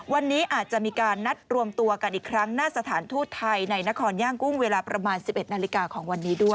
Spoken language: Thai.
วันนี้อาจจะมีการนัดรวมตัวกันอีกครั้งหน้าสถานทูตไทยในนครย่างกุ้งเวลาประมาณ๑๑นาฬิกาของวันนี้ด้วย